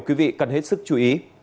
quý vị cần hết sức chú ý